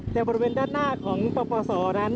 แต่บริเวณด้านหน้าของปปศนั้น